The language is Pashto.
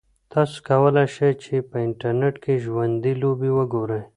تاسو کولای شئ چې په انټرنیټ کې ژوندۍ لوبې وګورئ.